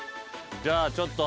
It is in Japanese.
じゃあちょっと。